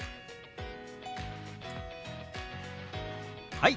はい！